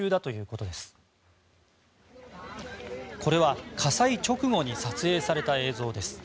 これは火災直後に撮影された映像です。